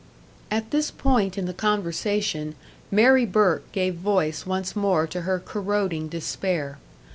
At this point in the conversation, Mary Burke gave voice once more to her corroding despair.